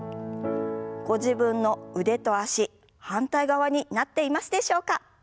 ご自分の腕と脚反対側になっていますでしょうか？